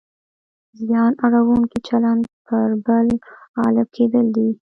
زیان اړونکی چلند پر بل غالب کېدل دي.